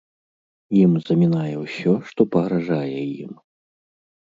Ім замінае ўсё, што пагражае ім.